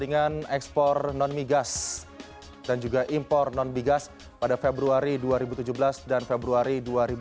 dengan ekspor non migas dan juga impor non migas pada februari dua ribu tujuh belas dan februari dua ribu delapan belas